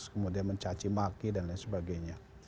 kemudian mencaci maki dan lain sebagainya